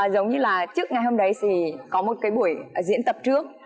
giống như là trước ngày hôm đấy thì có một cái buổi diễn tập trước